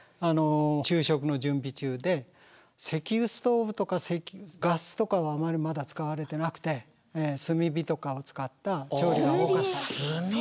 昼食の準備中で石油ストーブとかガスとかはあまりまだ使われてなくて炭火とかを使った調理が多かったと思います。